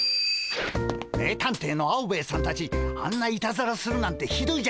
名探偵のアオベエさんたちあんないたずらするなんてひどいじゃないですか。